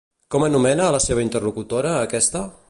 Com anomena a la seva interlocutora, aquesta?